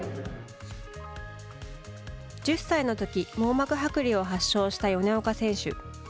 １０歳のとき網膜剥離を発症した米岡選手。